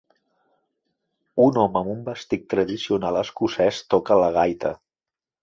Un home amb un vestit tradicional escocès toca la gaita.